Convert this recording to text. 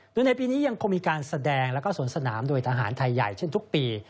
โดยในปีนี้ยังคงมีการแสดงแล้วก็สวนสนามโดยทหารไทยใหญ่เช่นทุกปี